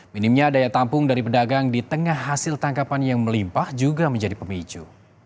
minimnya daya tampung dari pedagang di tengah hasil tangkapan yang melimpah juga menjadi pemicu